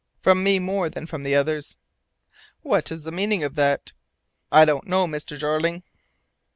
"From me more than from the others." "What is the meaning of that?" "I don't know, Mr. Jeorling."